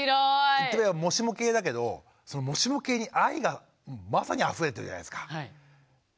言ってみればもしも系だけどそのもしも系に愛がまさにあふれてるじゃないですか。